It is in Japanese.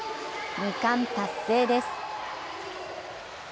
２冠達成です。